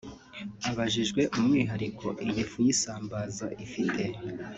Abajijwe umwihariko iyi fu y’isambaza ifite